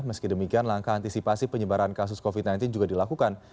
meski demikian langkah antisipasi penyebaran kasus covid sembilan belas juga dilakukan